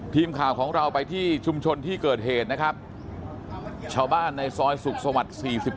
ทีมข่าวของเราไปที่ชุมชนที่เกิดเหตุนะครับชาวบ้านในซอยสุขสวรรค์๔๗